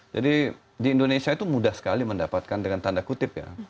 jadi di indonesia itu mudah sekali mendapatkan dengan tanda kutip ya